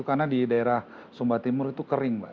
kira sumba timur itu kering mbak